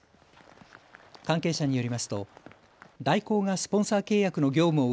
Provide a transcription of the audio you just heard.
関係者によりますと大広がスポンサー契約の業務を